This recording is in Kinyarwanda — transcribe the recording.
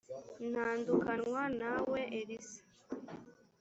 ntandukanywa nawe elisa